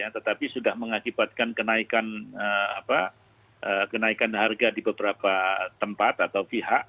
tetapi sudah mengakibatkan kenaikan harga di beberapa tempat atau pihak